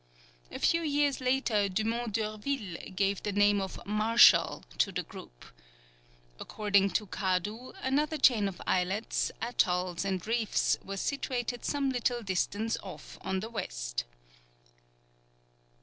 A few years later Dumont d'Urville gave the name of Marshall to the group. According to Kadu, another chain of islets, attolls, and reefs was situated some little distance off on the west.